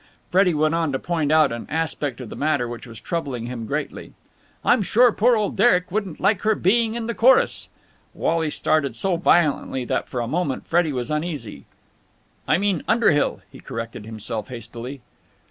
Freddie went on to point out an aspect of the matter which was troubling him greatly. "I'm sure poor old Derek wouldn't like her being in the chorus!" Wally started so violently that for a moment Freddie was uneasy. "I mean Underhill," he corrected himself hastily.